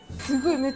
すごい！